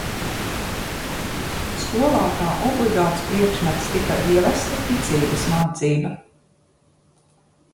Skolā kā obligāts priekšmets tika ievesta ticības mācība.